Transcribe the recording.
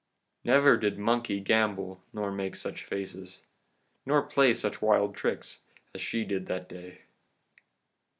Never did monkey gambol nor make such faces, nor play such wild tricks, as she did that day.